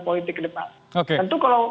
politik ke depan tentu kalau